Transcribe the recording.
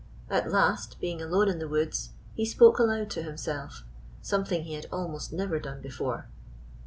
At last, being alone in the woods, he spoke aloud to himself — something he had almost never done before.